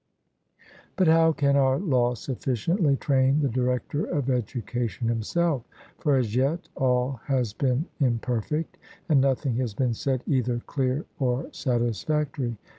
But how can our law sufficiently train the director of education himself; for as yet all has been imperfect, and nothing has been said either clear or satisfactory?